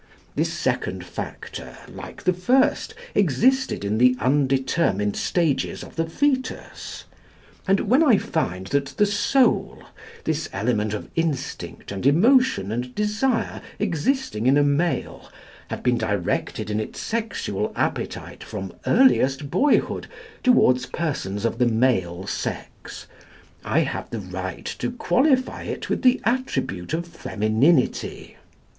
This second factor, like the first, existed in the undetermined stages of the fœtus. And when I find that the soul, this element of instinct and emotion and desire existing in a male, had been directed in its sexual appetite from earliest boyhood towards persons of the male sex, I have the right to qualify it with the attribute of femininity.